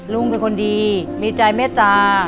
ลุงเป็นคนดีมีใจเมตตา